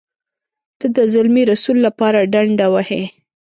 ته د زلمي رسول لپاره ډنډه وهې.